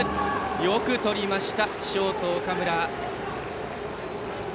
よくとりましたショート、岡村。